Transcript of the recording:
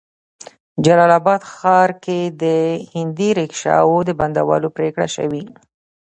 جلال آباد ښار کې د هندي ريکشو د بندولو پريکړه شوې